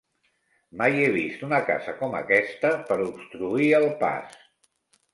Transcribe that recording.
Mai he vist una casa com aquesta per obstruir el pas!